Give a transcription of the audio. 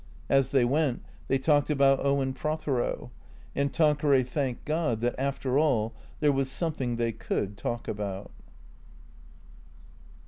As they went they talked about Owen Prothero. And Tan queray thanked God that, after all, there was something they could talk about.